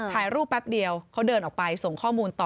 ถ่ายรูปแป๊บเดียวเขาเดินออกไปส่งข้อมูลต่อ